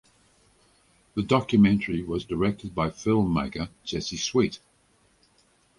The documentary was directed by filmmaker Jesse Sweet.